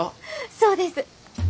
そうです！